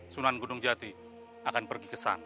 sunan gunung jati akan pergi ke sana